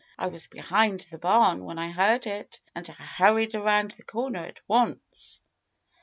I was behind the barn when I heard it. And I hurried around the corner at once."